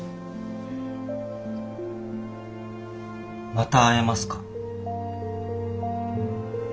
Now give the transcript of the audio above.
また会えますか？